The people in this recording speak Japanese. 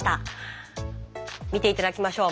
見て頂きましょう。